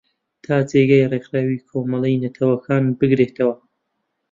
تا جێگای ریکخراوی کۆمەلەی نەتەوەکان بگرێتەوە